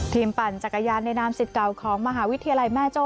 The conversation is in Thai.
ปั่นจักรยานในนามสิทธิ์เก่าของมหาวิทยาลัยแม่โจ้